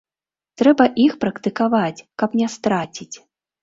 Трэба іх практыкаваць, каб не страціць.